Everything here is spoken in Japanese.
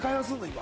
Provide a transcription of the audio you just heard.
今。